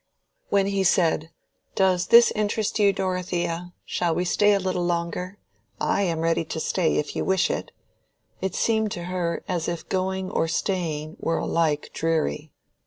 When he said, "Does this interest you, Dorothea? Shall we stay a little longer? I am ready to stay if you wish it,"—it seemed to her as if going or staying were alike dreary.